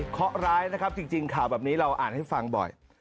ข้อร้ายนะครับจริงข่าวแบบนี้เราอ่านให้ฟังบ่อย